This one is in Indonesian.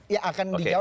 ya akan dijauh